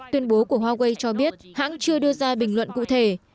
tuyên bố của huawei cho biết hãng chưa đưa ra bình luận cụ thể